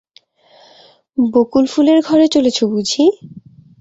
বকুলফুলের ঘরে চলেছ বুঝি?